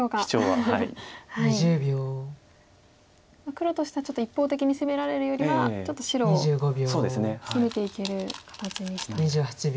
黒としてはちょっと一方的に攻められるよりはちょっと白を攻めていける形にしたい。